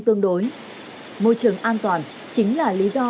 tương đối môi trường an toàn chính là lý do